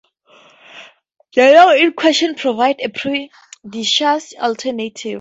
The law in question provided a judicial alternative.